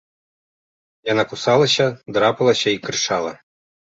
Яна кусалася, драпалася і крычала.